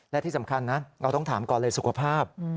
และที่สำคัญนะเราต้องถามก่อนเลยสุขภาพ